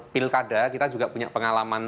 pilkada kita juga punya pengalaman